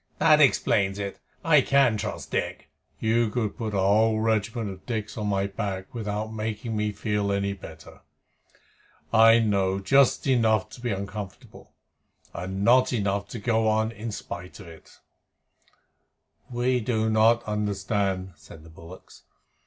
"That explains it. I can trust Dick." "You could put a whole regiment of Dicks on my back without making me feel any better. I know just enough to be uncomfortable, and not enough to go on in spite of it." "We do not understand," said the bullocks.